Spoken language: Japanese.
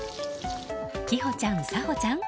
きほちゃん、さほちゃん